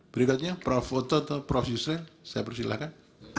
berikutnya prof foto atau prof yusril saya persilahkan